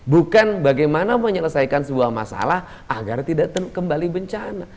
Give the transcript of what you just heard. bukan bagaimana menyelesaikan sebuah masalah agar tidak kembali bencana